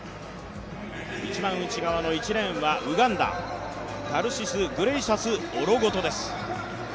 一番内側の１レーンはウガンダタルシス・グレイシャス・オロゴトです。